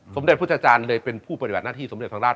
สมเด็จพุทธจารย์เลยเป็นผู้ปฏิบัติหน้าที่สมเด็จพระราช